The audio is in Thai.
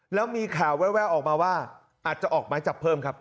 แล้วมีข่าวแววออกมาว่าอาจจะออกไม้จับเพิ่มครับ